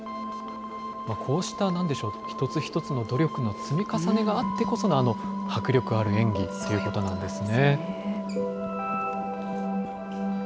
こうしたなんでしょう、一つ一つの努力の積み重ねがあってこその迫力ある演技ということなんですね。